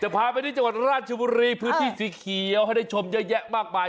พาไปที่จังหวัดราชบุรีพื้นที่สีเขียวให้ได้ชมเยอะแยะมากมาย